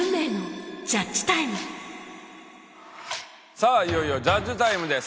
さあいよいよジャッジタイムです。